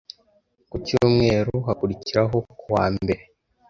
Ku cyumweru, hakurikiraho ku wa mbere.